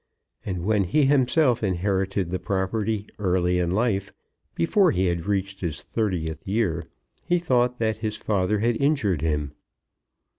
And when he himself inherited the property early in life, before he had reached his thirtieth year, he thought that his father had injured him.